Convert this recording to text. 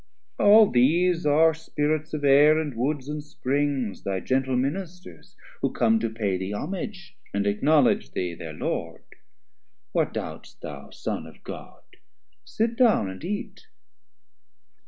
All these are Spirits of Air, and Woods, and Springs, Thy gentle Ministers, who come to pay Thee homage, and acknowledge thee thir Lord: What doubt'st thou Son of God? sit down and eat.